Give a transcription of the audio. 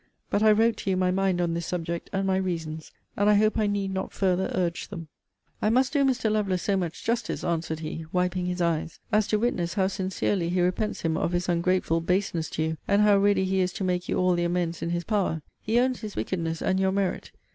But I wrote to you my mind on this subject, and my reasons and I hope I need not further urge them. I must do Mr. Lovelace so much justice, answered he, wiping his eyes, as to witness how sincerely he repents him of his ungrateful baseness to you, and how ready he is to make you all the amends in his power. He owns his wickedness, and your merit.